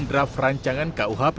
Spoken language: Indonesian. draft rancangan kuhp